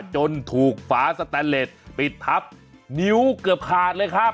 จนถูกฝาสแตนเลสปิดทับนิ้วเกือบขาดเลยครับ